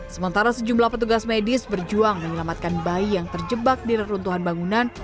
sementara sejumlah petugas medis berjuang menyelamatkan bayi yang terjebak di reruntuhan bangunan